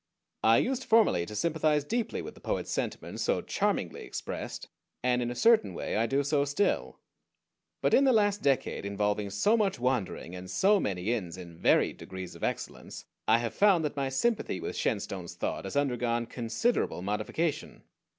I used formerly to sympathize deeply with the poet's sentiment, so charmingly expressed, and in a certain way I do so still; but in the last decade, involving so much wandering, and so many inns of varied degrees of excellence, I have found that my sympathy with Shenstone's thought has undergone considerable modification.